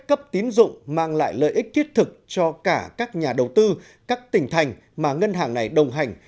cấp tín dụng mang lại lợi ích thiết thực cho cả các nhà đầu tư các tỉnh thành mà ngân hàng này đồng hành